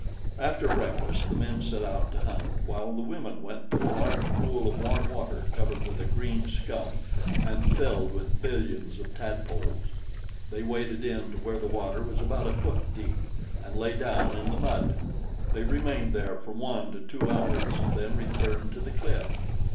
After breakfast the men set out to hunt, while the women went to a large pool of warm water covered with a green scum and filled with billions of tadpoles. They waded in to where the water was about a foot deep and lay down in the mud. They remained there from one to two hours and then returned to the cliff.